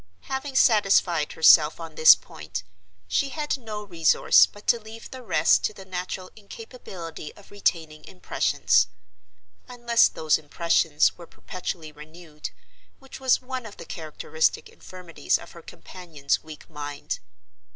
Having satisfied herself on this point, she had no resource but to leave the rest to the natural incapability of retaining impressions—unless those impressions were perpetually renewed—which was one of the characteristic infirmities of her companion's weak mind.